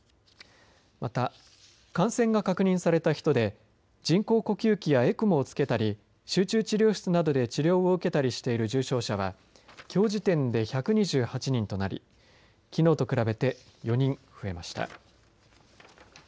また、感染が確認された人で人工呼吸器やＥＣＭＯをつけたり集中治療室などで治療を受けたりしている重症者はきょう時点で１２８人となりきのうと比べて４人増えました。